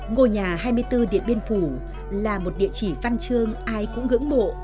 ngôi nhà hai mươi bốn điện biên phủ là một địa chỉ văn chương ai cũng ngưỡng mộ